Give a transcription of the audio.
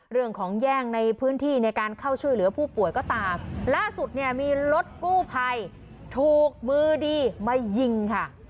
เรื่องของแย่งในพื้นที่ในการเข้าช่วยเหลือผู้ป่วยก็ตามล่าสุดเนี่ยมีรถกู้ภัยถูกมือดีมายิงค่ะ